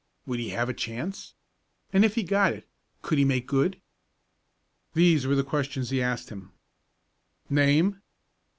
Would he have a chance? And, if he got it, could he make good? These were the questions he asked him. "Name?"